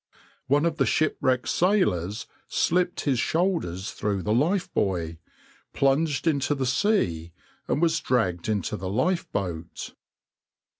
One of the shipwrecked sailors slipped his shoulders through the lifebuoy, plunged into the sea, and was dragged into the lifeboat.